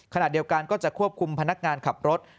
ขณะเดียวกันก็จะควบคุมพนักงานขับรถ